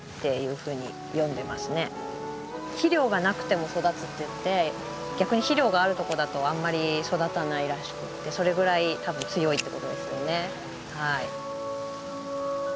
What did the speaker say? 肥料がなくても育つっていって逆に肥料があるとこだとあんまり育たないらしくってそれぐらい多分強いってことですよね。